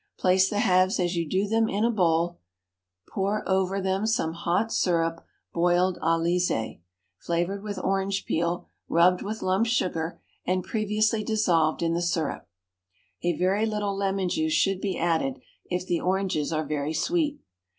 Place the halves as you do them in a bowl; pour over them some hot syrup boiled à lissé, flavored with orange peel, rubbed with lump sugar, and previously dissolved in the syrup; a very little lemon juice should be added if the oranges are very sweet.